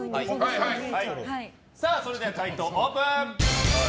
それでは解答をオープン！